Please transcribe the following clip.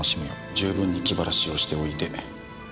「充分に気晴らしをしておいで」